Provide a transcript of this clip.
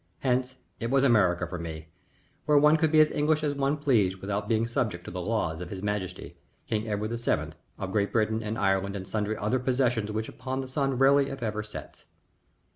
Hence it was America for me, where one could be as English as one pleased without being subject to the laws of his Majesty, King Edward VII., of Great Britain and Ireland and sundry other possessions upon which the sun rarely if ever sets.